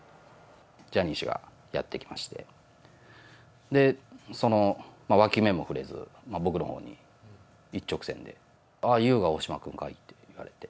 ジャニー氏がやって来まして、で、その脇目も振れず、僕のほうに一直線で、ああ、ＹＯＵが大島君かい？って言われて。